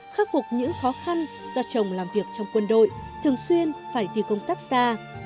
khắc phục những khó khăn do chồng làm việc trong quân đội thường xuyên phải đi công tác xa